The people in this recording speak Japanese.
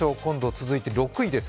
続いて６位です。